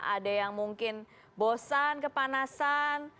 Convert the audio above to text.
ada yang mungkin bosan kepanasan